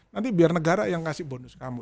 nanti biar negara yang kasih bonus kamu